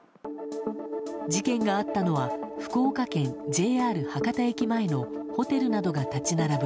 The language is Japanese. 事件があったのは福岡県ＪＲ博多駅前のホテルなどが立ち並ぶ